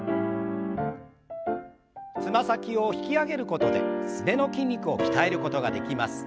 つま先を引き上げることですねの筋肉を鍛えることができます。